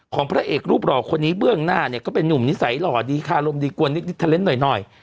พระเอกรูปหล่อคนนี้เบื้องหน้าเนี่ยก็เป็นนุ่มนิสัยหล่อดีคารมดีกวนนิดเทอร์เน้นหน่อย